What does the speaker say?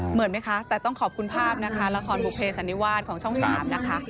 เหมือนไหมคะแต่ต้องขอบคุณภาพนะคะละครบุเภสันนิวาสของช่อง๓นะคะ